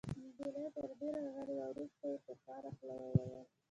نجلۍ تر دېره غلې وه. وروسته يې په خواره خوله وویل: